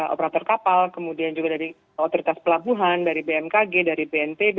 operator kapal kemudian juga dari otoritas pelabuhan dari bmkg dari bnpb